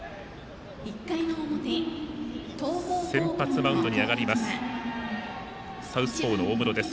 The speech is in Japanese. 先発マウンドに上がりますサウスポーの大室です。